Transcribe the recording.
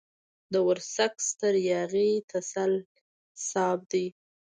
د ورسک ستر ياغي تسل صاحب دی.